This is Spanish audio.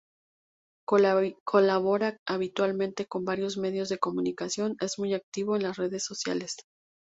Colabora habitualmente con varios medios de comunicación, es muy activo en las redes sociales.